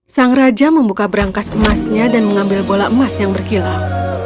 sang raja membuka berangkas emasnya dan mengambil bola emas yang berkilau